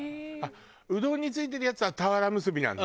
うどんに付いてるやつは俵むすびなんだ。